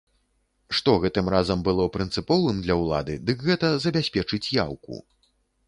Што гэтым разам было прынцыповым для ўлады, дык гэта забяспечыць яўку.